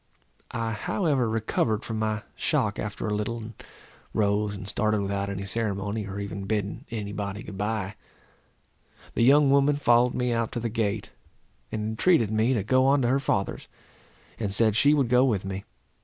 I however recovered from my shock after a little, and rose and started without any ceremony, or even bidding any body good bye. The young woman followed me out to the gate, and entreated me to go on to her father's, and said she would go with me.